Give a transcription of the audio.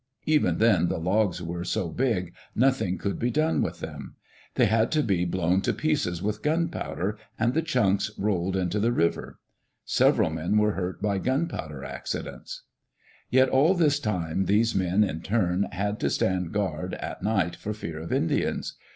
Even then the logs were so big nothing could be done with them. They had to be blown to pieces with gunpowder, and the chunks rolled into the riven Several men were hurt by gunpowder accidents. Digitized by CjOOQ IC EARLY DAYS IN OLD OREGON Yet all this time these men, in turn, had to stand guard at night for fear of Indians.